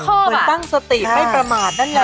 คือตั้งสติไม่ประมาทนั่นแหละ